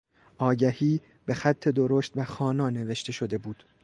آگهی به خط درشت و خوانا نوشته شده بود.